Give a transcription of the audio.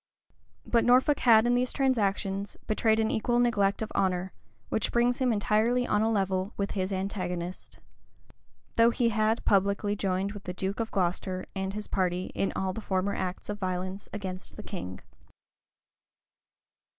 But Norfolk had in these transactions betrayed an equal neglect of honor, which brings him entirely on a level with his antagonist. Though he had publicly joined with the duke of Glocester and his party in all the former acts of violence against the king.